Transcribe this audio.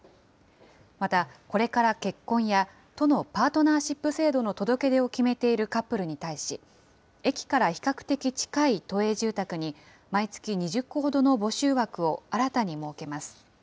またこれから結婚や都のパートナーシップ制度の届け出を決めているカップルに対し、駅から比較的近い都営住宅に、毎月２０戸ほどの募集枠を新たに設けます。